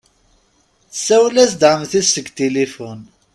Tessawel-as-d Ɛemti-s seg tilifun.